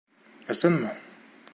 Ысынмы?!